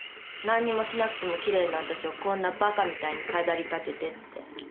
何にもしなくても奇麗な私をこんなバカみたいに飾りたててって。